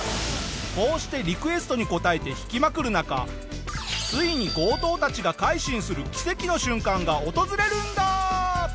こうしてリクエストに応えて弾きまくる中ついに強盗たちが改心する奇跡の瞬間が訪れるんだ！